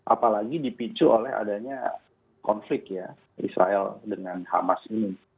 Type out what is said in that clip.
apalagi dipicu oleh adanya konflik ya israel dengan hamas ini